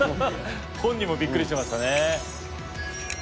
本人もびっくりしましたね。